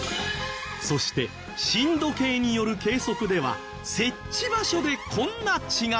そして震度計による計測では設置場所でこんな違いも。